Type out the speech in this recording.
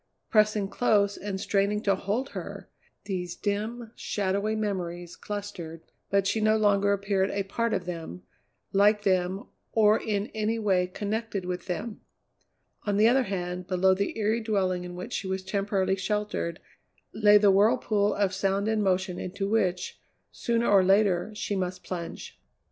Pressing close and straining to hold her, these dim, shadowy memories clustered, but she no longer appeared a part of them, like them, or in any way connected with them. On the other hand, below the eyrie dwelling in which she was temporarily sheltered, lay the whirlpool of sound and motion into which, sooner or later, she must plunge.